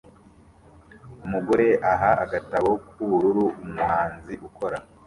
Umugore aha agatabo k'ubururu umuhanzi ukora